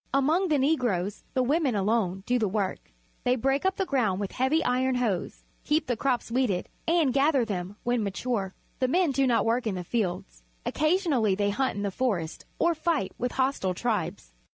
Among the Negroes the women alone do the work. They break up the ground with heavy iron hoes, keep the crops weeded, and gather them when matiu'e. The men do no work in the fields. Occasion ally they hunt in the forest or fight with hostile tribes.